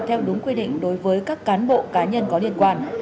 theo đúng quy định đối với các cán bộ cá nhân có liên quan